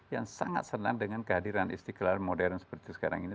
yang sangat senang dengan kehadiran istiqlal modern seperti sekarang ini